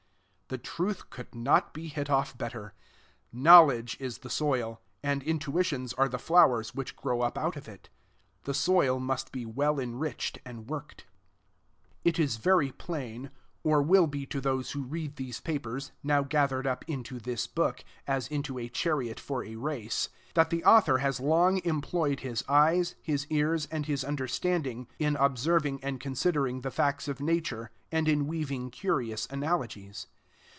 The truth could not be hit off better. Knowledge is the soil, and intuitions are the flowers which grow up out of it. The soil must be well enriched and worked. It is very plain, or will be to those who read these papers, now gathered up into this book, as into a chariot for a race, that the author has long employed his eyes, his ears, and his understanding, in observing and considering the facts of Nature, and in weaving curious analogies.